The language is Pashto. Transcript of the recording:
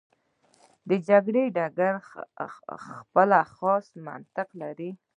د جګړې ډګر خپل خاص منطق لري.